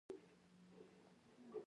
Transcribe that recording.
هغې وويل هر ځای مو ولټاوه.